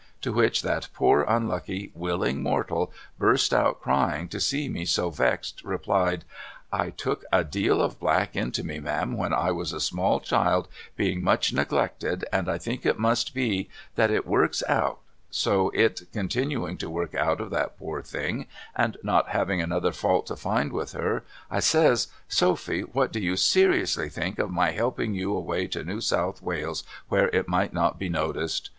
' To which that poor unlucky willing mortal bursting out crying to see me so vexed replied ' I took a deal of black into me ma'am when I was a small child being much neglected and I think it must be, that it works out,' so it continuing to work out of that poor thing and not having another fault to find with her I says ' Sophy what do you seriously think of my helping you away to New South \Vales where it might not be noticed